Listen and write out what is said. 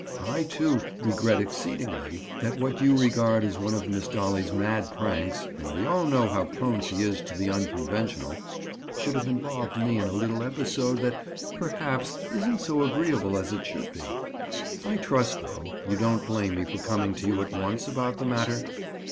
I, too, regret exceedingly that what you regard as one of Miss Dolly's mad pranks—and we all know how prone she is to do the unconventional—should have involved me in a little episode that, perhaps, isn't so agreeable as it should be. I trust, though, you don't blame me for coming to you at once about the matter?"